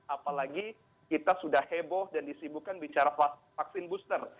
apalagi kita sudah heboh dan disibukan bicara vaksin booster